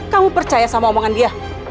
kamu percaya sama omongan dia